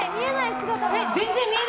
姿が。